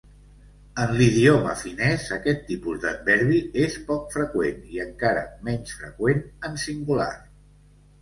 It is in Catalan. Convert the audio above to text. En l'idioma finès, aquest tipus d'adverbi és poc freqüent, i encara menys freqüent en singular.